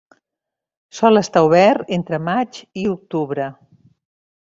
Sol estar obert entre maig i octubre.